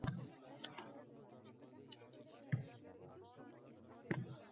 Tavorixning ichida qonli-qonli fojiyoting bor